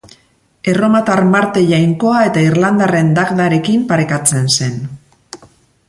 Erromatar Marte jainkoa eta irlandarren Dagdarekin parekatzen zen.